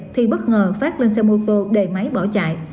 thì bất ngờ phát lên xe mô tô đề máy bỏ chạy